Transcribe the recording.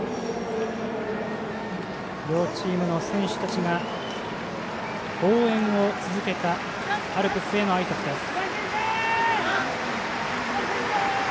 両チームの選手たちが応援を続けたアルプスへのあいさつです。